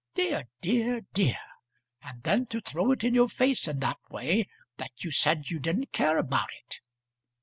Dear, dear, dear! and then to throw it in your face in that way that you said you didn't care about it."